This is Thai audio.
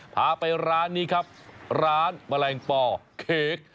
พาไปร้านนี้ครับร้านแมลงปอเค้ก